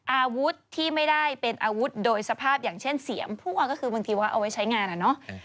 อาวุธที่ไม่ได้เป็นอาวุธโดยสภาพอย่างเช่นเสียมพั่วก็คือบางทีว่าเอาไว้ใช้งานอะเนาะ